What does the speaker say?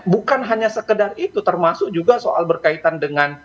bukan hanya sekedar itu termasuk juga soal berkaitan dengan